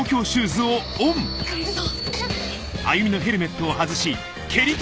借りるぞ！